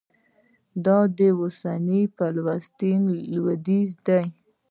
دا د اوسني فلسطین لوېدیځ دی.